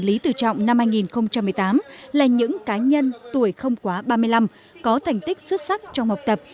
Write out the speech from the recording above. lý tự trọng năm hai nghìn một mươi tám là những cá nhân tuổi không quá ba mươi năm có thành tích xuất sắc trong học tập